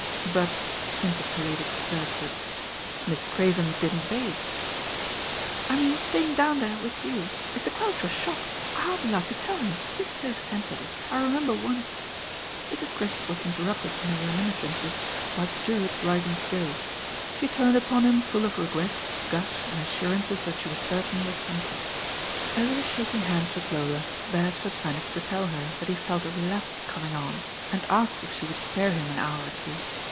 "But," interpolated Beresford, "Miss Craven didn't bathe." "I mean staying down there with yoo. Mr. THE NINE DAYS ENDED fun Quelcli was shocked. I hardly liked to tell him. He'$ so sensitive. I remember once " Mrs. Crisp was interrupted in her reminiscences by Drewitt rising to go. She turned upon him full of regrets, gush and assurances that she was certain he was psychic. As he was shaking hands with Lola, Beresford managed to tell her that he felt a relapse coming on, and asked if she would spare him an hour or two.